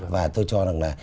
và tôi cho rằng là